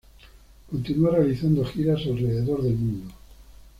Continúa realizando giras alrededor del mundo.